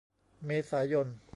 เมษายน